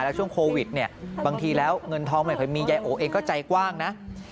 แล้วช่วงโควิดเนี่ยบางทีแล้วเงินทองไม่ค่อยมียายโอเองก็ใจกว้างนะ